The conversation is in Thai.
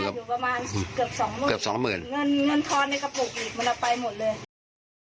หยอดอยู่ประมาณเกือบ๒๐๐๐๐บาทเงินทอดในกระปุกมันออกไปหมดเลย